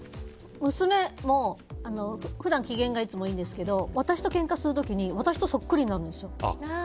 娘も普段機嫌がいつもいいんですけど私とけんかする時に私とそっくりになるんですよ。